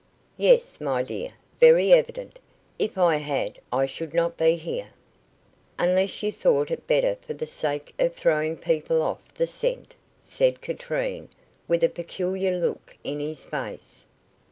"Yes, my dear, very evident. If I had, I should not be here." "Unless you thought it better for the sake of throwing people off the scent," said Katrine, with a peculiar look in his face.